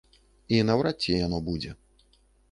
І наўрад ці яно будзе.